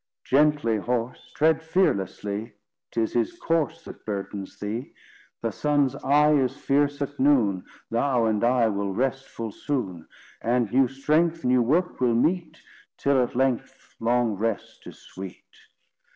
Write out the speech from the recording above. Gently, horse! Tread fearlessly; 'Tis his corse That burdens thee. The sun's eye Is fierce at noon; Thou and I Will rest full soon. And new strength New work will meet; Till, at length, Long rest is sweet.